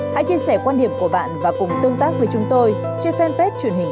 hãy chia sẻ quan điểm của bạn và cùng tương tác với chúng tôi trên fanpage truyền hình